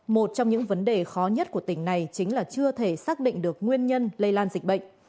một trong những vấn đề khó nhất của tỉnh này chính là chưa thể xác định được nguyên nhân lây lan dịch bệnh